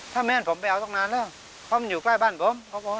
ถ้าแม่นผมไปเอาตั้งนานแล้วเพราะมันอยู่ใกล้บ้านผม